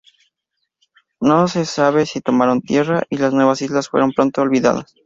No se sabe si tomaron tierra y las nuevas islas fueron pronto olvidadas.